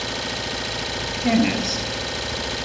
Fkan-as-t.